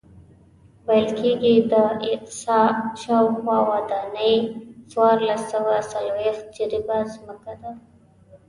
ویل کېږي د اقصی جومات شاوخوا ودانۍ څوارلس سوه څلوېښت جریبه ځمکه ده.